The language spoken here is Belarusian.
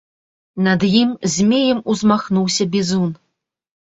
Над ім змеем узмахнуўся бізун.